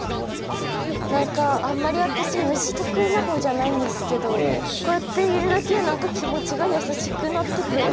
何かあんまり私虫得意な方じゃないんですけどこうやっているだけで何か気持ちが優しくなってくる。